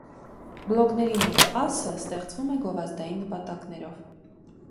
Բլոգների մեծ ասը ստեղծվում է գովազդային նպատակներով։